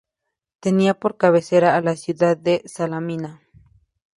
Tenía por cabecera a la ciudad de Salamina.